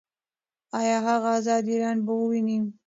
ایا هغه ازاد ایران به وویني؟